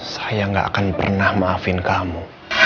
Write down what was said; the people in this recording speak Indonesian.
saya gak akan pernah maafin kamu